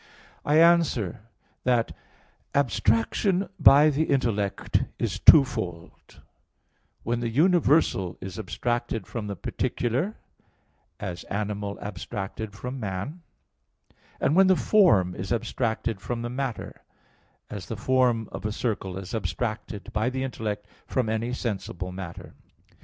I answer that, Abstraction by the intellect is twofold when the universal is abstracted from the particular, as animal abstracted from man; and when the form is abstracted from the matter, as the form of a circle is abstracted by the intellect from any sensible matter.